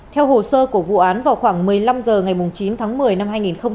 theo hồ sơ của vụ án vào khoảng một mươi năm giờ ngày chín tháng một mươi năm hai nghìn hai mươi